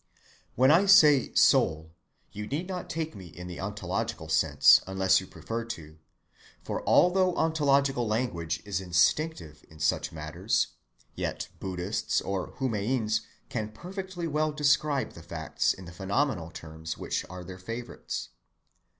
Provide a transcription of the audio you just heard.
When I say "Soul," you need not take me in the ontological sense unless you prefer to; for although ontological language is instinctive in such matters, yet Buddhists or Humians can perfectly well describe the facts in the phenomenal terms which are their favorites.